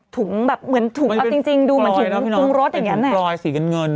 ถุงแบบเหมือนถุงเอาจริงจริงดูเหมือนถุงรถอย่างงั้นแหละเป็นถุงปลอยสีเงินเงิน